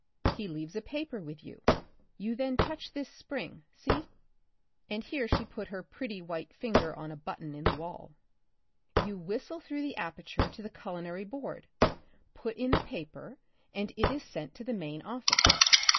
He leaves a paper with you. You then touch this spring — see?*' and here she put her pretty white finger on a button in the wall. " You whistle through the aperture to the Culinary Board, put in the paper, and it is sent to the main office.